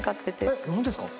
えっ本当ですか？